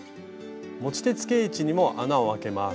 持ち手つけ位置にも穴をあけます。